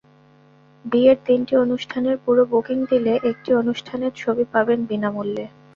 বিয়ের তিনটি অনুষ্ঠানের পুরো বুকিং দিলে একটি অনুষ্ঠানের ছবি পাবেন বিনা মূল্যে।